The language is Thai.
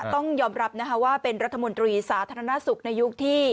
ต้องยอมรับนะคะว่าเป็นรัฐมนตรีสาธารณสุขในยุคที่